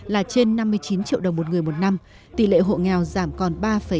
là trên năm mươi chín triệu đồng một người một năm tỷ lệ hộ nghèo giảm còn ba ba mươi ba